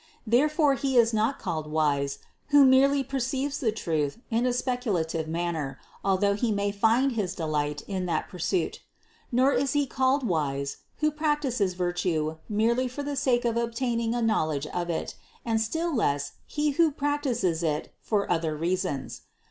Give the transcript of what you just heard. Therefore he is not called wise, who merely perceives truth in a speculative manner, although he may find his delight in that pursuit: nor is he called wise, who practices virtue merely for the sake of obtaining a knowledge of it, and still less he who practices it for other reasons.